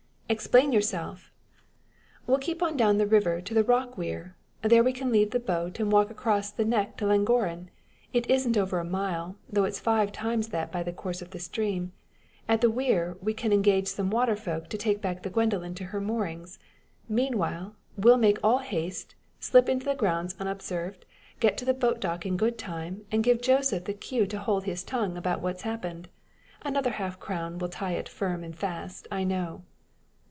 "Explain yourself!" "We'll keep on down the river to Rock Weir. There we can leave the boat, and walk across the neck to Llangorren. It isn't over a mile, though it's five times that by the course of the stream. At the Weir we can engage some water fellow to take back the Gwendoline to her moorings. Meanwhile, we'll make all haste, slip into the grounds unobserved, get to the boat dock in good time, and give Joseph the cue to hold his tongue about what's happened. Another half crown will tie it firm and fast, I know."